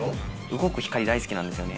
動く光大好きなんですよね。